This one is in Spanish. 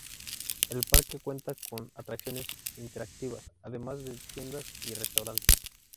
El parque cuenta con atracciones interactivas, además de tiendas y restaurantes.